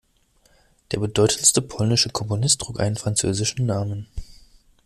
Der bedeutendste polnische Komponist trug einen französischen Namen.